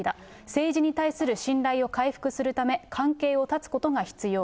政治に対する信頼を回復するため、関係を断つことが必要。